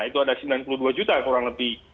itu ada sembilan puluh dua juta kurang lebih